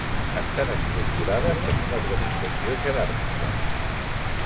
Estan estructurades en una organització jeràrquica.